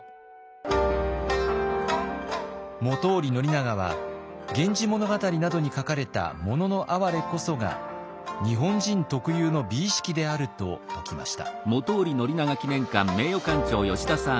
本居宣長は「源氏物語」などに書かれた「もののあはれ」こそが日本人特有の美意識であると説きました。